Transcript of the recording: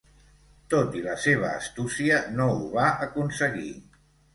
Tot i la seva astúcia, no ho va aconseguir.